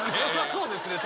そうですね